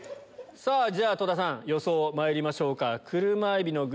じゃ戸田さん予想まいりましょうか。